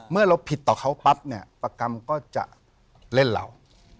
เมื่อเราผิดต่อเขาปั๊บเนี่ยประกรรมก็จะเล่นเรา